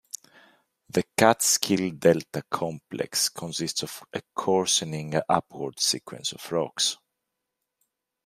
The Catskill Delta complex consists of a coarsening upward sequence of rocks.